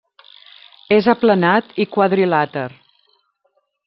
És aplanat i quadrilàter.